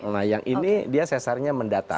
nah yang ini dia sesarnya mendata